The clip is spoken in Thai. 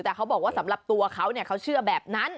แต่เขาบอกว่าสำหรับตัวเขาเนี่ยเขาเชื่อแบบนั้น